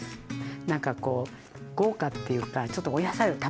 何かこう豪華っていうかちょっとお野菜をたっぷり食べる感じ。